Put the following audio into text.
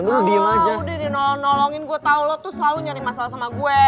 udah udah di nolongin gue tau lo tuh selalu nyari masalah sama gue